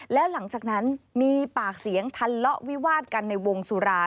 แล้วหลังจากนั้นมีปากเสียงทะเลาะวิวาดกันในวงสุรา